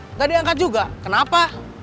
nggak diangkat juga kenapa